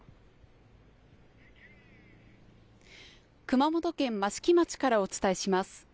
熊本県益城町からお伝えします。